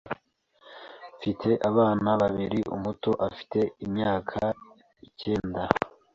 mfite Abana babiri umuto afite imyaka icyenda